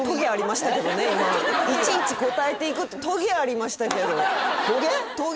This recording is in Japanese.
「いちいち応えていく」ってトゲありましたけどトゲ？